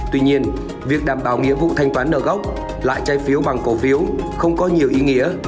tuy nhiên việc đảm bảo nghĩa vụ thanh toán nợ gốc loại trái phiếu bằng cổ phiếu không có nhiều ý nghĩa